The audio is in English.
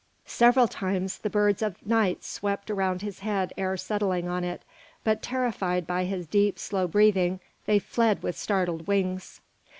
Several times the birds of night swept around his head ere settling on it, but terrified by his deep, slow breathing, they fled with startled wings.